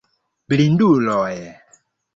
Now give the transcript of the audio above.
Blinduloj!